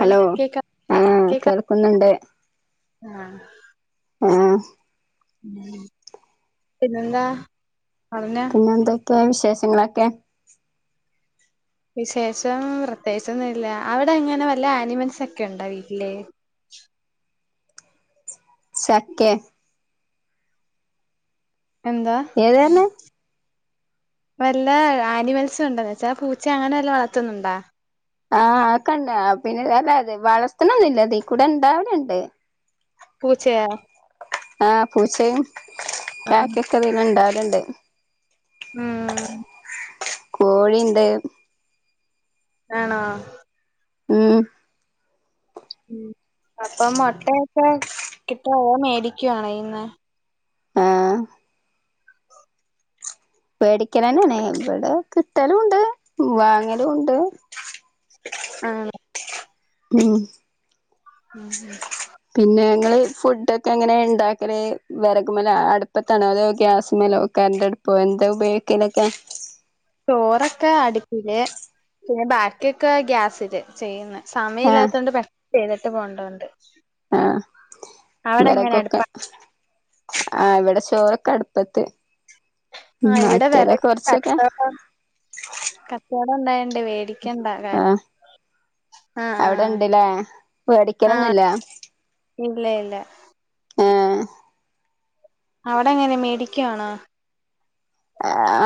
Hello ആഹ് കേക്കാ കേൾക്കുന്നുണ്ട് ആഹ് ആഹ് പിന്നെന്താ [unintelligible] എന്തൊക്കെയ വിശേഷങ്ങളൊക്കെ വിശേഷം പ്രത്യേകിച്ചൊന്നുല്ല അവിടെങ്ങനാ വല്ല ആനിമൽസ് ഒക്കെണ്ടോ വീട്ടില് ശക്കേ എന്താ ഏതാർഞ്ഞെ വല്ല ആനിമൽസും ഉണ്ടോന്ന് ചോയ്ച്ച പൂച്ചെ അങ്ങനെ വല്ലതും വളർത്തുന്നുണ്ടോ ആഹ് അതൊകണ്ട് പിന്നെല്ലെ അതെ വളർതണൊന്നില്ല ഇതീ കൂടെ ഇണ്ടാവല്ണ്ട് പൂച്ചയാ ആഹ് പൂച്ചയും ആ കാക്കെക്കൊ ഇണ്ടാവലണ്ട് ഉം കോഴിണ്ട് ആണോ ഉം അപ്പം മുട്ടയക്കെ കിട്ടു മേടിക്കുവാണോ ഇന്ന് ആഹ് വോടിക്കലന്നാണേ ഇവിടെ കിട്ടലും ഉണ്ട് വാങ്ങലും ഉണ്ട്. ആഹ് ഉം ഉം പിന്നെ ഞങ്ങള് ഫുഡ് ഒക്കെ അങ്ങനെ ഉണ്ടാക്കല് വിറകുമല അടുപ്പത്താണോ അതോ ഗ്യാസ് മലോ കരണ്ട് ടുപ്പോ എന്താ ഉപയോഗിക്കലൊക്കെ ചോറൊക്കെ അടുപ്പില് പിന്നെ ബാക്കിയൊക്കെ ഗ്യാസില് ചെയ്യുന്ന ആഹ് സമയമില്ലാത്ത കൊണ്ട് പൊ ചെയ്തിട്ട് പോകണ്ടത്ഉണ്ട് ആഹ് അടുപ്പ വെറകക്കെ ആഹ് ഇവിടെ ചോറൊക്കെ അടുപ്പത്ത് ആഹ് ഇവിടെ മറ്റേ അതാ വെറൈറ്റി കുറച്ചൊക്കെ കച്ചോടം ഉണ്ടായണ്ടേ വേടി ആഹ് ആഹ് അവിടെ ആഹ് ഇണ്ടല്ലേ ആഹ് പേടിക്കലൊന്നുല്ല ഇല്ല ഇല്ല എഹ് അവിടെ എങ്ങനെ മേടിക്കുവാണോ?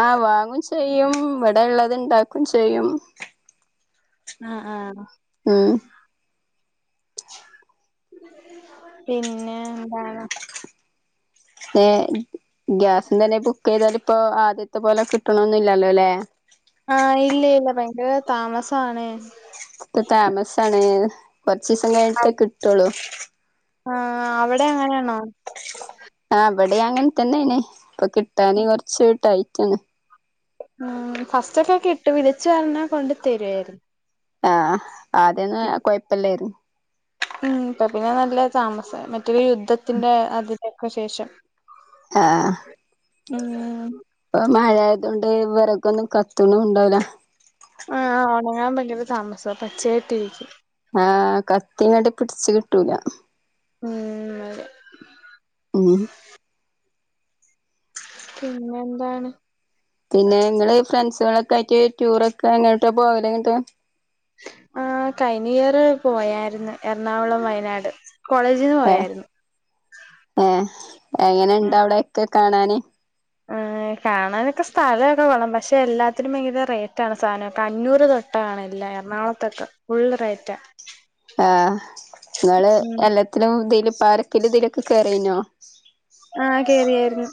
ആ വാങ്ങും ചെയ്യും ഇവിടെ ഉള്ളത് ഉണ്ടാക്കും ചെയ്യും. ആഹ് ആഹ് ഉം പിന്നെ എന്താ ഗ്യാസ് തന്നെ ബുക്ക് ചെയ്തൽ ഇപ്പോ ആദ്യത്തെ പോലെ കിട്ടണൊന്നില്ലല്ലോ അല്ലേ? ആഹ് ഇല്ല ഇല്ല ഭയങ്കര താമസണ്. ഇപ്പ താമസ ആണ് കൊറച്ച് ദിസം കഴിഞ്ഞിട്ടേ കിട്ടുള്ളു. ആഹ് അവിടെ അങ്ങനെയാണോ? ആ ഇവിടെ അങ്ങനെ തന്നെന് ഇപ്പൊ കിട്ടാന് കൊറച്ച് ടൈറ്റാണ് ഉം ഫസ്റ്റ്ക്കെ കെട്ടു വിളച്ച് പറഞ്ഞാൽ കൊണ്ട് തരുആയിരുന്നു ആഹ് ആദ്യന്ന് കുഴപ്പില്ലായിരുന്നു. ഉം ഇ പിന്നെ നല്ല താമസ മറ്റൊരു യുദ്ധത്തിന്റെ അതിഥിക്ക ശേഷം ആഹ് ഉം ഇപ്പൊ മഴ ആയതൊണ്ട് വിറക്കാ ഒന്നും കത്തണും ഉണ്ടാവില്ല ആഹ് ഓണ ഞാൻ ഭയങ്കര താമസം പച്ചയട്ടിരിക്കും. ആഹ് കത്തിങട് പിടിച്ച കിട്ടൂല. ഉം അതെ ഉം പിന്നെ എന്താണ് പിന്നെ ങ്ങള് ഫ്രണ്ട്സുകളൊക്കെ ആയിട്ട് ടൂറൊക്കെ എങ്ങോട്ട് പോവലങ്ങനട്ട്. ആ കൈനിയറ് പോയായിരുന്നു എറണാകുളം, വയനാട്. കോളേജിൽ നിന്ന് ഏഹ് പോയാരുന്നു. ഏഹ് എങ്ങനെണ്ട് അവിടെക്കെ കാണാന് ഏ് കാണാനൊക്കെ സ്ഥലമൊക്കെ വള്ളണം പക്ഷെ എല്ലാത്തിനും ഭയങ്കര റേറ്റ ആണ് സാധനംതിനോക്കെ അഞ്ഞൂറ് തൊട്ട് ട്ട ആണ്ല്ല എറണാകുളത്തൊക്കെ ഫുള്ള് റയറ്റ് ആഹ് നിങ്ങള് എല്ലാത്തിലും ഇതില് പാർക്കിലും ഇതിലൊക്കെ കയറിനോ ആഹ് കേറിയായിരുന്നു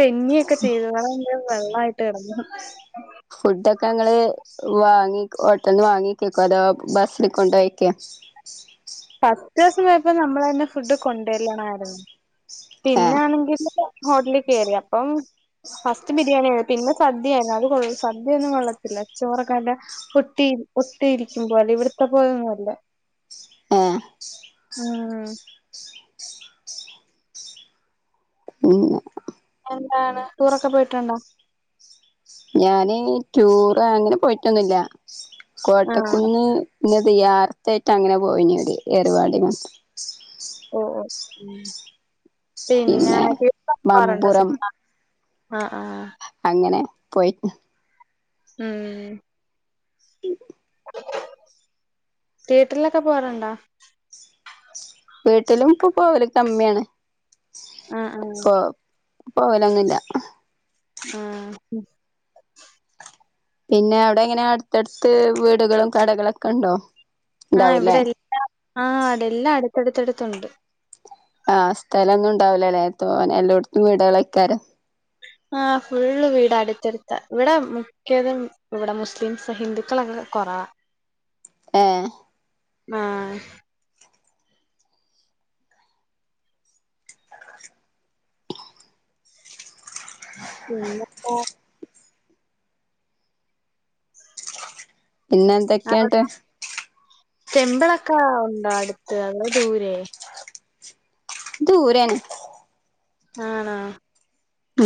തെന്നിയൊക്കെ ചെയ്തു വെള്ളമായിട്ട് കിടന്നു. ഫുഡൊക്കെ ങ്ങള് വാങ്ങി ഓട്ടൽന്ന് വാങ്ങിക്കക്ക അതോ ബസ്സൽ കൊണ്ടോയിക്കാ പത്ത് ദിവസം വയപ്പോം നമ്മളന്നെ ഫുഡ് കൊണ്ടുവരണായിരുന്നു ഏഹ് പിന്നൊണെങ്കില് ഹോട്ടലിൽ കയറി അപ്പം. ഫസ്റ്റ് ബിരിയാണി ആയി പിന്നെ സദ്യയായിരുന്നു അത് കൊള് സദ്യൊന്നും കൊെള്ളത്തില്ല ചോറക്കാന്റെ. ഒട്ടിയിരി ഒട്ടിയിരിക്കുമ്പോല്ലേ ഇവിട്ത്തെ പോലെയൊന്നുമല്ല. ഏഹ്. ഉം ഉം എന്താണ് ടൂറൊക്കെ പോയിട്ടുണ്ടോ ഞാന് ടൂറ് അങ്ങനെ പോയിട്ടൊന്നുല്ല ആഹ് കോട്ടക്കുന്ന്. പിന്നെ [unintelligible] അങ്ങനെ പോയിനത്. [unintelligible] ഓഹ് ഓഹ് പിന്നെ [unintelligible] കാണാറുണ്ടോ മമ്പുറം സിനിമ. ആഹ് ആഹ്. അങ്ങനെ പോയി. ഉം ഉം തിയേറ്ററിലൊക്കെ പോകാറുണ്ടോ വീട്ടിലും ഇപ്പൊ പോവല് കമ്മിയാണ്. ആഹ് ആഹ്. പോ പോകലൊന്നുല്ല. ആഹ്. പിന്നെ അവിടെ എങ്ങനെ അടുത്തടുത്ത് വീടുകളും കടകളൊക്കെ ഉണ്ടോ ആഹ് ഉണ്ടാവൂല്ലേ ഇവിടെ എല്ലാ ആഹ് ഇവിടെ എല്ലാം അടുത്ത്ടുത്ത്ടുത്തുണ്ട്. ആഹ് സ്ഥലൊന്നും ഉണ്ടാവില്ലല്ലേ തോനെ എല്ലോട്ത്തും വീടാളേക്കാരം. ആഹ് ഫുള്ള് വീട് അടുത്തെടുത്ത ഇവിടെ ക്കതും ഇവിടെ മുസ്ലിംസ ഹിന്ദുക്കള കൊറവ. ഏഹ്. ആഹ്. പിന്നെ പിന്നെ എന്തൊക്കെയാട്ട് റ്റെമ്പിളൊക്ക ഉണ്ടോ അടുത്ത് അതോ ദൂരേ ദൂരെണ്. ആണോ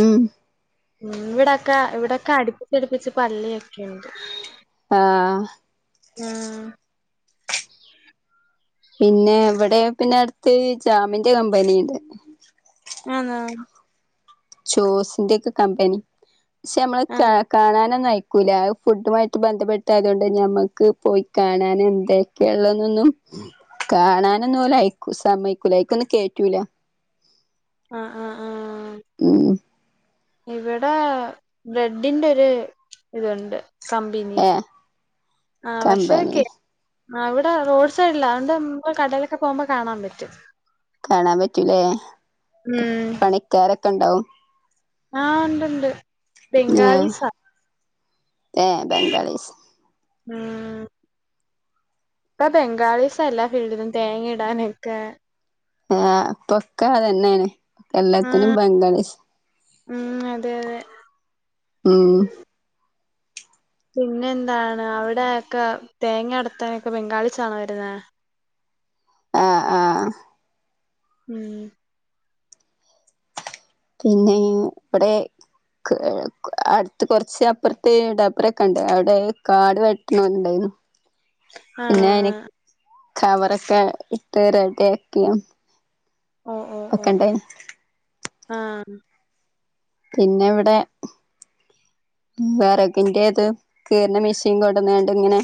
ഉം ഉം ഇവിടൊക്കെ ഇവിടൊക്കെ അടുപ്പിച്ചടിപ്പിച്ച് പള്ളിയൊക്കെണ്ട്. ആഹ്. ഉം പിന്നെ ഇവിടെ പിന്നെ അടുത്ത് ജാമിന്റെ കമ്പനിണ്ട്. ആന്നോ ചോസിന്റെയൊക്കെ കമ്പനി പക്ഷെ നമ്മള് ആഹ് കാണാനൊന്നയി കുലാ അഹ് ഫുഡുമായിട്ട് ബന്ധപ്പെട്ട ആയതോണ്ട് നമ്മുക്ക് പോയി കാണാൻ എന്തൊക്കെയള്ളെന്നൊന്നും. കാണാനൊന്നും ഓല് അയക്കൂ സമ്മയ്ക്കൂല അയീക്കൊന്നും കേറ്റൂല. ആഹ് ആഹ് ആഹ്. ഉം ഇവിടെ ബ്രെഡിന്റെ ഒരു ഇതുണ്ട് കമ്പിനി ഏ ആഹ് കമ്പനി വർഷോകെ ആഹ് ഇവിടെ റോഡ് സൈഡില അതോണ്ട് നമ്മ കടയിലൊക്കെ പോകുമ്പോ കാണാൻ പറ്റും. കാണപറ്റൂല്ലേ ഉം പണിക്കാരൊക്കെ ഇണ്ടോ ആഹ് ഇണ്ട്ണ്ട് ആഹ് ഏ ബംഗാളിസ് ഉം ഇപ്പൊ ബംഗാളിസ എല്ലാ ഫീൽഡിലും തേങ്ങ ഇടാനൊക്കെ ആഹ് ഇപ്പോക്കെ അതന്നെണ് എല്ലാത്തിനും ആഹ് ബംഗാളിസ് ഉം അതെ അതെ ഉം പിന്നെ എന്താണ് അവിടെ ഒക്കെ തേങ്ങ അടത്താനൊക്കെ ബംഗാളിസാണ വരുന്നെ ആഹ് ആഹ് ഉം പിന്നെ ഇവിടെ അടുത്ത് കുറച്ച് അപ്പുറത്തെ ഡെബാരൊക്കെണ്ട് അവിടെ കാട് വെട്ടണന്നുണ്ടായിരുന്നു [inaudible] പിന്നെ ആണോ ആ ഞാന് കവറൊക്കെ ഇട്ട് റെഡിയാക്കിനു ഓ ഓ ഓ ഓക്കേണ്ടേ ആഹ് പിന്നെ ഇവിടെ വെരകിന്റെ ഇത് കീറിന മെഷീൻ കൊണ്ടുന്നണ്ട് ഇങ്ങനെ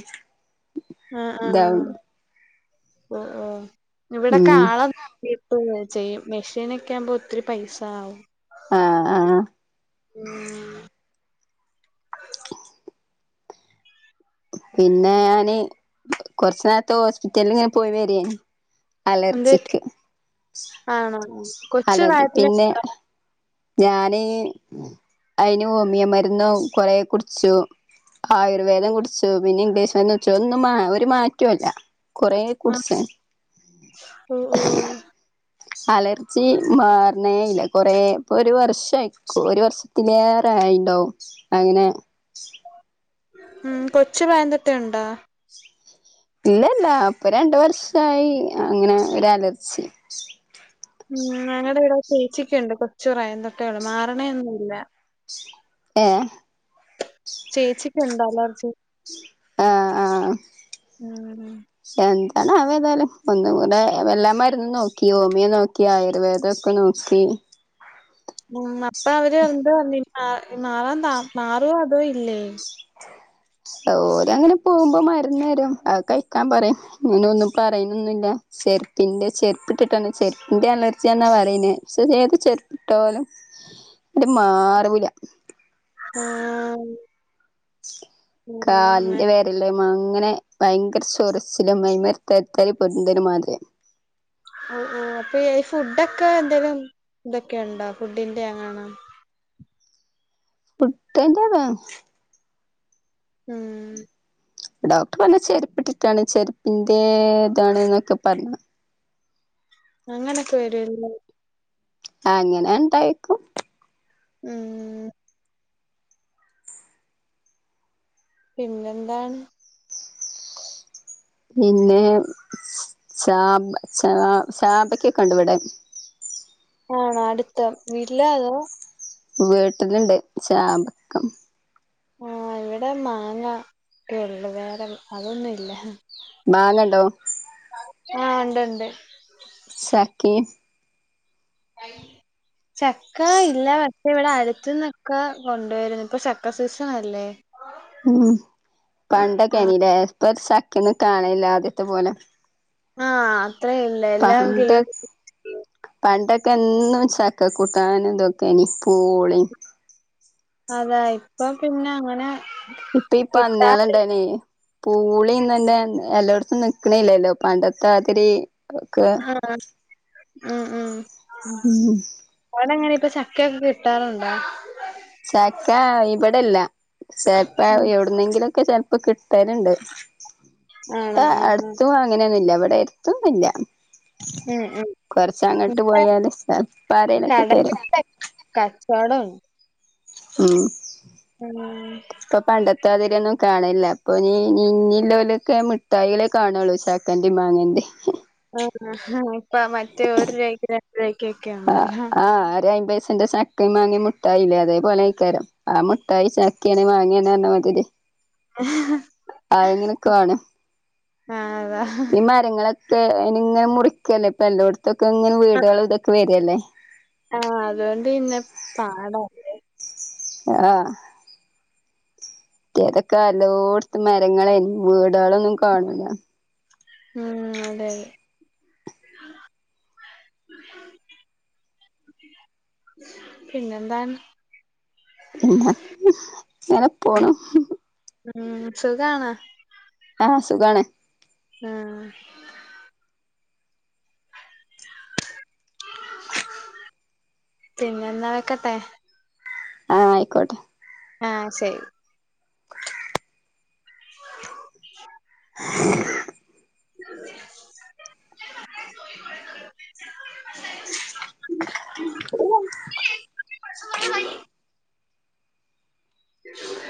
ആഹ് ആഹ് ഇതാവണ്ട് ഓ ഓ ഇവിടെക്കെ ഉം ആളെ നിപോവേ ചെയ്യും മെഷീൻ ഒക്കെ ആവുമ്പോ ഒത്തിരി പൈസ ആവും ആഹ് ആഹ് ഉം പിന്നെ ഞാനെ കൊറച്ച് നേരത്തെ ഹോസ്പിറ്റലിങ്ങനെ പോയി വരിന് എന്ത് പറ്റി അലർജിക്ക് ആണോ കൊച്ചു അലർജി പ്രായത്തിലെ പിന്നെ ഉണ്ടോ ഞാനെ അയിന് ഓമിയോ മരുന്ന് കൊറെ കുടിച്ചു ആയുർവേദം കുടിച്ചു പിന്നെ ഇംഗ്ലീഷ് മരുന്ന് കുടിച്ചു അതൊന്നും ഒരു മാറ്റോം ഇല്ല കൊറേ ആ കുടിച്ചാൻ ഓ ഓ അലർച്ചി മാറണേല്ല കൊറേ ഇപ്പൊ ഒരു വർഷായിക്കും ഒരു വർഷത്തിലേറെ ആയിണ്ടാവും അങ്ങനെ ഉം കൊച്ചുപ്രായംതോട്ടെ ഇണ്ടോ ഇല്ലല്ല ഇപ്പ രണ്ട് വർഷായി അങ്ങനെ ഒരു അലർച്ചി ഉം ഞങ്ങടെ ഇവിടെ ചേച്ചിക്ക്ണ്ട് കൊച്ചുപ്രായതോട്ടെ മാറണൊന്നുമില്ല ഏ ചേച്ചിക്ക് ഇണ്ട് അലർജി ആഹ് ആഹ് ഉം എന്താണാവോ ഏതായാലും ഒന്നും കൂടെ എല്ലാ മരുന്ന് നോക്കി ഓമിയെ നോക്കി ഈ ആയുർവേദൊക്കെ നോക്കി ഉം അപ്പൊ അവര് എന്താ പറഞ്ഞിരുന്നേ ആഹ് മാറാൻ മാറുവോ അതോ ഇല്ലേ [inaudible] ഒര് അങ്ങനെ പോകുമ്പോ മരുന്ന് നേരും അത് കഴിക്കാൻ പറയും പിന്നെ ഒന്നും പറയണൊന്നുല്ല ചെറുപ്പിന്റെ ചെർപ്പിട്ടിട്ടാണ് ചെരുപ്പിന്റെ അലർജിയാന്നാ പറയുന്നേ ചെയ്ത് ചെരുപ്പിട്ടാലും അത് മാറൂല്ല ആഹ് ഉം അങ്ങനെ കാലിന്റെ വെ രലിമേ അങ്ങനെ ഭയങ്കര ചോറച്ചിലും ആയിമേ തരിതാരി പൊന്തിരിമാതിരിയാ ഓ ഓ അപ്പൊ ഈ ഫുഡൊക്കെ എന്തേലും ഇതൊക്കെ ഇണ്ടോ ഫുഡിന്റെ അങ്ങാണം പുട്ടിന്റെത് ഉം ഡോക്ടർ പറഞ്ഞ് ചെരുപ്പിട്ടിട്ടാണ് ചെരുപ്പിന്റെ ഇതാണ്ന്നൊക്കെ പറഞ്ഞ് അങ്ങനെയൊക്കെ വരും അത്‌ ല്ലേ അങ്ങനെ ഇണ്ടായേക്കും ഉം പിന്നെന്താണ് പിന്നെ ചാമ്പ് ചാ ചാമ്പക്ക ഒക്കണ്ട് ഇവിടെ ആണോ അടുത്ത വീട്ടിലേ അതോ വീട്ടില്ണ്ട് ചാമ്പക്ക ആ ഇവിടെ മാങ്ങ ഒക്കെ ഉള്ളു വേറെ അതൊന്നും ഇല്ല മാങ്ങ ഇണ്ടോ ആഹ ഇണ്ട് ഇണ്ട് ചക്കിം [unintelligible] ചക്ക ഇല്ല പക്ഷേ ഇവിടെ അടുത്തുന്നൊക്കെ കൊണ്ടുവരുന്ന് ഇപ്പൊ ചക്ക സീസൺ അല്ലേ ഉം പണ്ടൊക്കെ ആഹ് ആനില്ലേ ഇപ്പൊ ഒരു ചക്കൊന്നും കാണലില്ല ആദ്യത്തെ പോലെ ആഹ അത്രയും പണ്ട് പണ്ടൊക്കെ എന്നും ചക്ക കൂട്ടാനും ഇതൊക്കെനി പൂളിം അതെ ഇപ്പൊ പിന്നെ അങ്ങനെ ഇപ്പൊ ഈ പന്ന്യാൾ കിട്ടാറി ഇണ്ടായേനെ പൂളിം തന്നെ എല്ലോട്ത്തും നിക്ക്ണില്ലല്ലോ പണ്ടത്തെ മാതിരി ആഹ്‌ ഉം ഉം ഉം അവ്ടെങ്ങനെ ഇപ്പ ചക്കൊക്കെ കിട്ടാറുണ്ടോ ചക്ക ഇബ്ടെല്ല ചെൽപ്പ ഉം എവിടുന്നെങ്കിലുംഒക്കെ ചെൽപ്പ ഇപ്പ കിട്ടല്ണ്ട് ഇപ്പ ആണോ ആഹ് ആഹ് അടുത്തും അങ്ങനെയൊന്നുംല്ല ഇവിടെ ഇല്ല ഉം ഉം കുറച് അങ്ങട്ട് ഇവിടെ പോയാല് ചെല്പ്പൊ ആരേലും ഒക്കെ തെരും കച്ചോടും ഉം ഉം ഇപ്പൊ പണ്ടത്തെ മാതിരി ഒന്നും കാണലില്ല അപ്പൊ ഇനീ ഇനി ഇള്ളോലൊക്കെ മിട്ടായിളെ കാണുള്ളൂ ചക്കെന്റേം മാങ്ങെന്റേം ആഹ അപ്പ മറ്റേ ഓര് ആക്ക [unintelligible] ആഹ്‌ ആഹ് ഒര് അയ്പൈസിന്റെ ചക്കിം മാങ്ങിം മുട്ടായില്ലേ അതേപോലെ ആയിക്കാരം ആ മുട്ടായി ചക്കെണ് മാങ്ങേണ് പറഞ്ഞ മാതിരി [unintelligible] ആഹ്‌ എങ്ങനെയൊക്കെ ആണ് ആഹ് അതാ ഈ മരങ്ങളൊക്കെ അയിന് ഇങ്ങനെ മുറിക്കല്ലേ ഇപ്പൊ എല്ലോട്ത്തൊക്കെ ഇങ്ങനെ വീടാളും ഇതൊക്കെ വരല്ലേ ആഹ അതോണ്ട് പിന്നെ പാടാ ആഹ്‌ അതൊക്കെ എല്ലോട്ത്തും മരങ്ങളേ വീടാളൊന്നും കാണൂല ഉം അതെ പിന്നെന്താണ് പിന്നെ ഇങ്ങനെ ഉം പോണു ഉം സുഖാണ ആഹ സുഖാണ് ആഹ പിന്നെ എന്നാ വെക്കട്ടെ ആഹ ആയിക്കോട്ടെ ആഹ ശരി [unintelligible] [inaudible] [unintelligible]